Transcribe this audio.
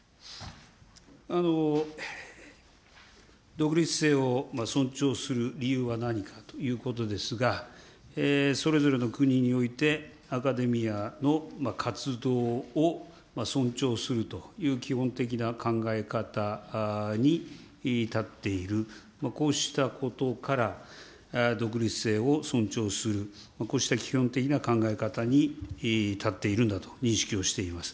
独立性を尊重する理由は何かということですが、それぞれの国において、アカデミアの活動を尊重するという基本的な考え方に立っている、こうしたことから、独立性を尊重する、こうした基本的な考え方に立っているんだと認識をしています。